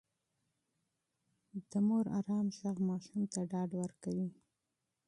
د مور ارام غږ ماشوم ته ډاډ ورکوي.